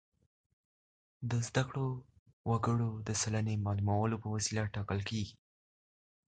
د زده کړو وګړو د سلنې معلومولو په وسیله ټاکل کیږي.